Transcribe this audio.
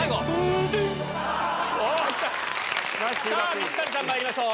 水谷さんまいりましょう。